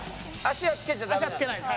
足はつけないで。